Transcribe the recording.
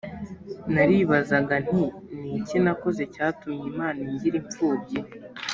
naribazaga nti ni iki nakoze cyatumye imana ingira imfubyi